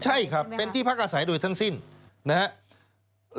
ใช่ครับเป็นที่พักอาศัยโดยทั้งสิ้นนะครับ